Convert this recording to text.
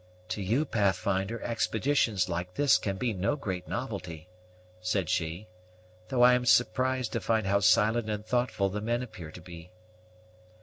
"To you, Pathfinder, expeditions like this can be no great novelty," said she; "though I am surprised to find how silent and thoughtful the men appear to be."